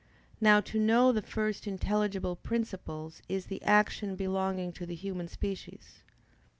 Now to know the first intelligible principles is the action belonging to the human species.